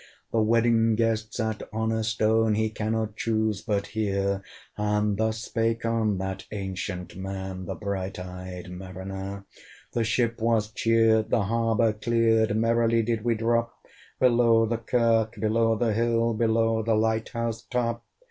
The Wedding Guest sat on a stone: He cannot chuse but hear; And thus spake on that ancient man, The bright eyed Mariner. The ship was cheered, the harbour cleared, Merrily did we drop Below the kirk, below the hill, Below the light house top.